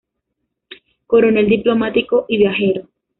Coronel, diplomático y viajero.